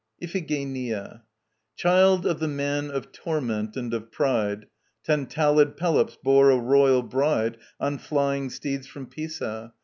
] IPHIGENIA. Child of the man of torment and of pride Tantalid Pelops bore a royal bride On flying steeds from Pisa.